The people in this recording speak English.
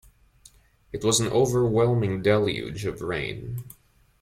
It was an overwhelming deluge of rain.